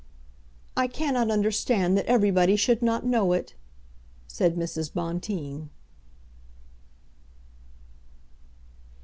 "I cannot understand that everybody should not know it," said Mrs. Bonteen.